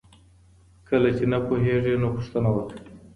کله چي نه پوهیږې نو پوښتنه وکړه.